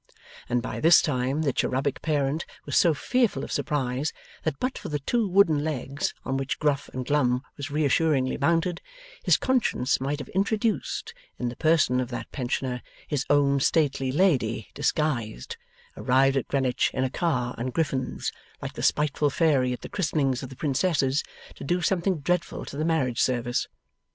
And by this time the cherubic parent was so fearful of surprise, that, but for the two wooden legs on which Gruff and Glum was reassuringly mounted, his conscience might have introduced, in the person of that pensioner, his own stately lady disguised, arrived at Greenwich in a car and griffins, like the spiteful Fairy at the christenings of the Princesses, to do something dreadful to the marriage service.